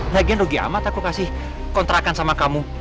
nagen rugi amat aku kasih kontrakan sama kamu